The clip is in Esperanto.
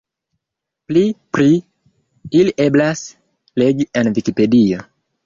Pli pri ili eblas legi en Vikipedio.